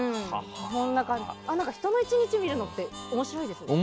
人の１日見るのって面白いですね。